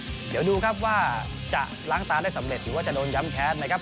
เดี๋ยวดูครับว่าจะล้างตาได้สำเร็จหรือว่าจะโดนย้ำแค้นนะครับ